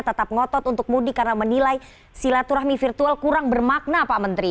tetap ngotot untuk mudik karena menilai silaturahmi virtual kurang bermakna pak menteri